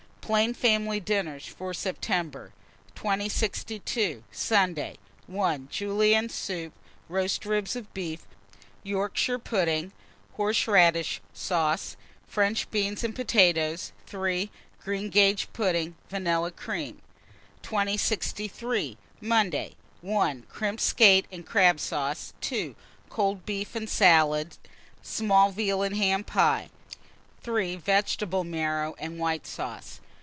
PLAIN FAMILY DINNERS FOR SEPTEMBER. 2062. Sunday. 1. Julienne soup. 2. Roast ribs of beef, Yorkshire pudding, horseradish sauce, French beans, and potatoes. 3. Greengage pudding, vanilla cream. 2063. Monday. 1. Crimped skate and crab sauce. 2. Cold beef and salad; small veal and ham pie. 3. Vegetable marrow and white sauce.